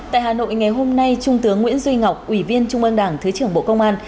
tại hà nội ngày hôm nay trung tướng nguyễn duy ngọc ủy viên trung ương đảng thứ trưởng bộ công an